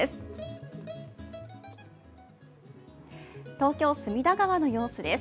東京・隅田川の様子です。